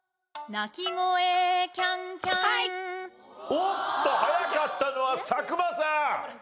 おっと早かったのは佐久間さん。